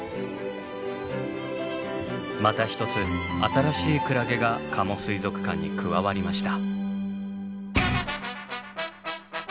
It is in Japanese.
また一つ新しいクラゲが加茂水族館に加わりました。